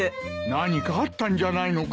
何かあったんじゃないのか？